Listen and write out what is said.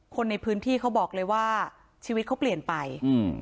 คนในพื้นที่เขาบอกเลยว่าชีวิตเขาเปลี่ยนไปอืม